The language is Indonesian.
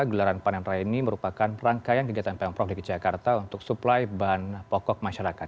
gelaran panen raya ini merupakan rangkaian kegiatan pemprov dki jakarta untuk suplai bahan pokok masyarakat